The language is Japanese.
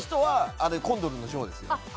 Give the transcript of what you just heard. あれはコンドルのジョーですよ。